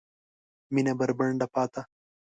مېنه بربنډه پاته